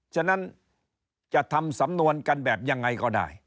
ฉะนั้นจะทำสำนวนกันแบบยังไงก็ได้